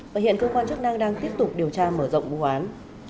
và hiện cơ quan chức năng đang tiếp tục điều tra mở rộng vụ án